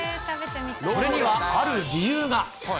それにはある理由が。